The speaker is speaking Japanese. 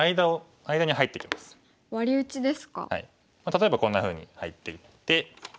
例えばこんなふうに入っていって。